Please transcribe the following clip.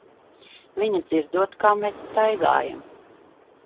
Viņa dzirdot, kā mēs staigājam.